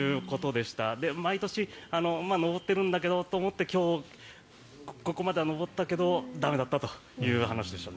毎年、上ってるんだけどと思って今日、ここまでは上ったけど駄目だったという話でしたね。